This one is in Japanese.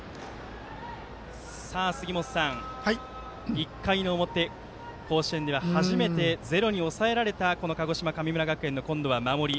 １回の表、甲子園では初めてゼロに抑えられたこの鹿児島、神村学園の今度は守り。